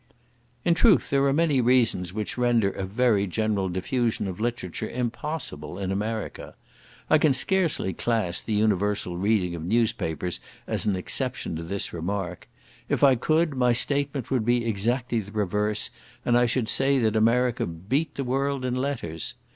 In truth, there are many reasons which render a very general diffusion of literature impossible in America. I can scarcely class the universal reading of newspapers as an exception to this remark; if I could, my statement would be exactly the reverse, and I should say that America beat the world in letters.